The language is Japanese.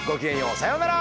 さようなら！